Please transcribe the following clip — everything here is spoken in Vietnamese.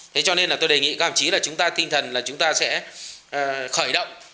thế cho nên là tôi đề nghị các hợp chí là chúng ta tinh thần là chúng ta sẽ khởi động